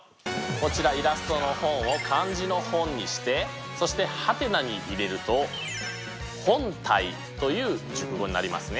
こちらイラストの本を漢字の「本」にしてそしてハテナに入れると「本体」という熟語になりますね。